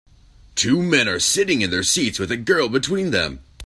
Two men are sitting in their seats with a girl between them.